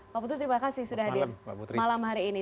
pak putu terima kasih sudah hadir malam hari ini